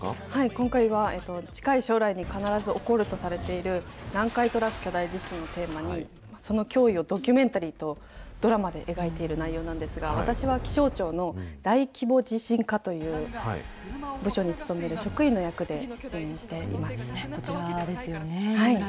今回は、近い将来に必ず起こるとされている、南海トラフ巨大地震をテーマに、その脅威をドキュメンタリーとドラマで描いている内容なんですが、私は気象庁の大規模地震課という部署に勤める職員の役で出演してこちらですよね。